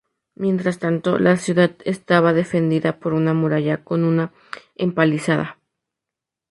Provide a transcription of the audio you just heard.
Mientras tanto, la ciudad estaba defendida por una muralla con una empalizada.